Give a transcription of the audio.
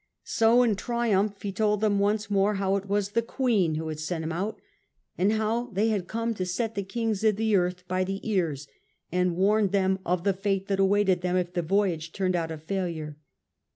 So in triumph he told them once more how it was the Queen who had sent him out, and how they had come to set the kings of the earth by the ears, and warned them of the fate that awaited them if the voyage turned out a failure.